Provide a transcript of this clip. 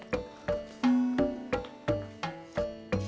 lo jangan bercanda